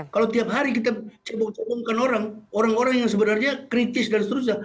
kalau tiap hari kita cepung cepungkan orang orang orang yang sebenarnya kritis dan seterusnya